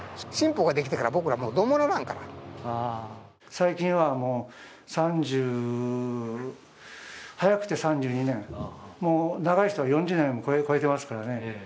最近は早くて３２年、長い人は４０人を超えてますからね。